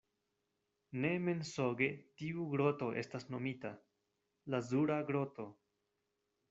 Ne mensoge tiu groto estas nomita: lazura groto.